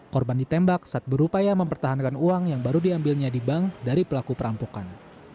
korban ditembak saat berupaya mempertahankan uang yang baru diambilnya di bank dari pelaku perampokan